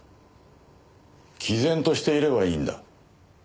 毅然としていればいいんだ。